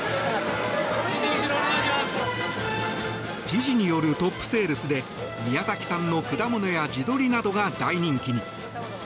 知事によるトップセールスで宮崎産の果物や地鶏などが大人気に。